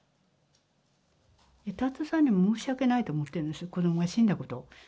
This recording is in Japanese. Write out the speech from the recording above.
達夫さんにも申し訳ないと思ってるんです、子どもが死んだこと。